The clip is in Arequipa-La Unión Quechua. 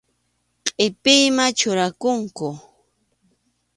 Qʼipiyman churakunku.